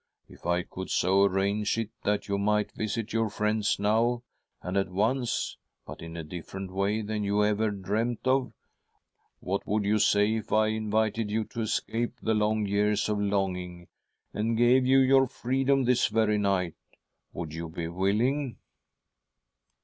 " If I could so arrange it that you might visit your ( friends now and at once, but in a different way than you ever dreamt of, what would you say ? If I invited you to escape the long years of longing and gave you your freedom this very night, would you be willing